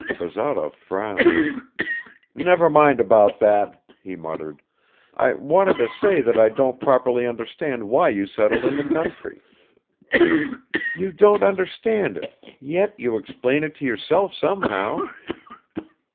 Bazarov frowned. "Never mind about that," he muttered; "I wanted to say that I don't properly understand why you settled in the country!" "You don't understand it ... yet you explain it to yourself somehow?"